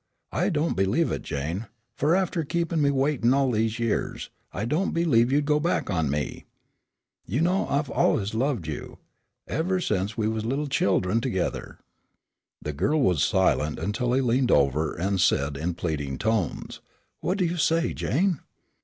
I don't believe it Jane, fur after keepin' me waitin' all these years, I don't believe you'd go back on me. You know I've allus loved you, ever sence we was little children together." The girl was silent until he leaned over and said in pleading tones, "What do you say, Jane?"